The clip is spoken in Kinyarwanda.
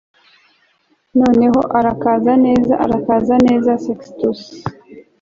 Noneho urakaza neza urakaza neza Sextus